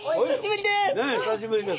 ねえ久しぶりです。